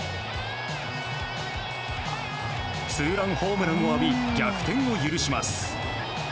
ツーランホームランを浴び逆転を許します。